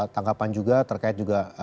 tanggapan juga terkait juga